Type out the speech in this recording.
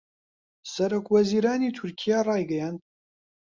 سەرۆکوەزیرانی تورکیا رایگەیاند